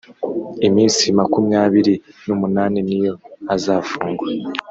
iminsi makumyabiri n umunani niyo azafungwa